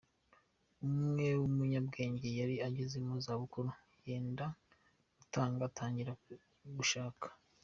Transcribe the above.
umwe w'umunyabwenge yari ageze mu za bukuru yenda gutanga, atangira gushaka.